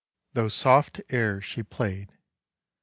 Those Soft Airs She Played.